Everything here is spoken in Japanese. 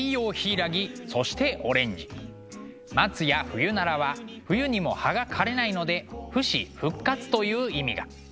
松やフユナラは冬にも葉が枯れないので不死・復活という意味が。